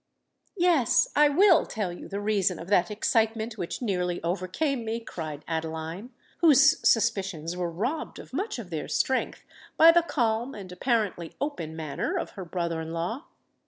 "Yes—I will tell you the reason of that excitement which nearly overcame me," cried Adeline, whose suspicions were robbed of much of their strength by the calm and apparently open manner of her brother in law.